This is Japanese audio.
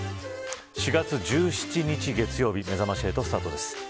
４月１７日月曜日めざまし８スタートです。